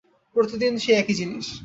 প্রতিদিন সেই একই জিনিস!